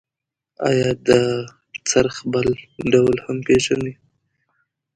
آیا د څرخ بل ډول هم پیژنئ؟